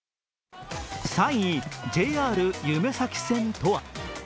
３位、ＪＲゆめ咲線とは。